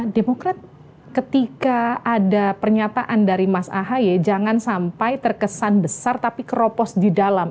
demokrat ketika ada pernyataan dari mas ahaye jangan sampai terkesan besar tapi keropos di dalam